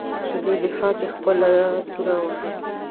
په دې دفاع کې خپله توره وښیيم.